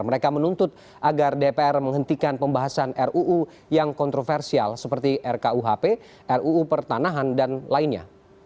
mereka menuntut agar dpr menghentikan pembahasan ruu yang kontroversial seperti rkuhp ruu pertanahan dan lainnya